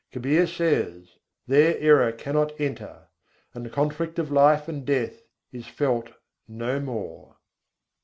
Kabîr says: "There error cannot enter, and the conflict of life and death is felt no more."